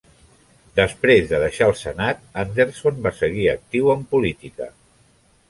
Després de deixar el Senat, Anderson va seguir actiu en política.